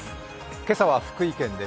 今朝は福井県です